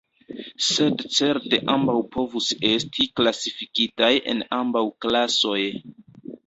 Sed certe ambaŭ povus esti klasifikitaj en ambaŭ klasoj.